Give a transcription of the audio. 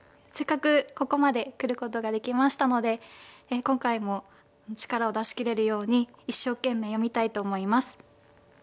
せっかくここまで来ることができましたので今回も力を出し切れるように一生懸命読みたいと思います。